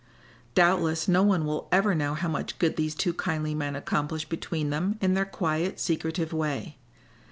Doubtless no one will ever know how much good these two kindly men accomplished between them in their quiet, secretive way.